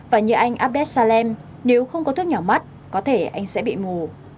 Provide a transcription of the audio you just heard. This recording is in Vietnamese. và như anh abdes salem nếu không có thuốc nhỏ mắt có thể anh sẽ bị mù